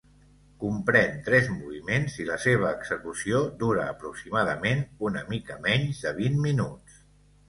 Comprèn tres moviments i la seva execució dura aproximadament una mica menys de vint minuts.